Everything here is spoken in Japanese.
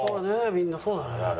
みんなそうだね。